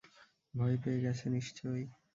ভয় পেয়ে গেছে নিশ্চয়ই।